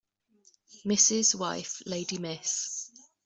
Mrs. wife lady Miss